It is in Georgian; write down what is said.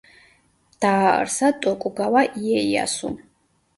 დააარსა ტოკუგავა იეიასუმ.